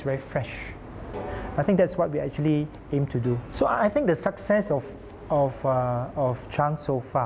เพื่อให้คนกำลังมีความสัมภัย